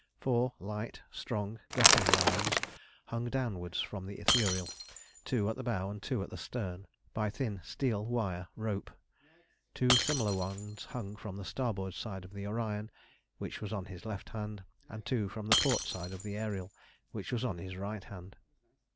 Four light strong grappling irons hung downwards from the Ithuriel, two at the bow and two at the stern, by thin steel wire rope; two similar ones hung from the starboard side of the Orion, which was on his left hand, and two from the port side of the Ariel, which was on his right hand.